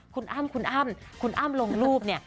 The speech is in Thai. คุณอั้มคุณอั้มลงรูปเนี่ย